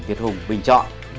việt hùng bình chọn